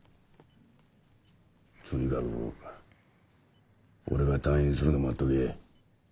とにかく俺が退院するの待っとけ。